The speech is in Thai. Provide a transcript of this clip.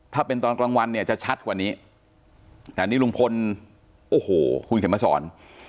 ๑๔๐๐ตัว๋าเป็นตอนกลางวันเนี่ยจะชัดวันนี้นี้ลุงพลโอ้โหคุณเข็มมาซอน